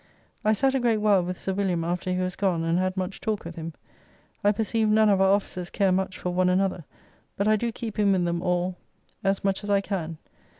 I sat a great while with Sir Wm. after he was gone, and had much talk with him. I perceive none of our officers care much for one another, but I do keep in with them all as much as I can.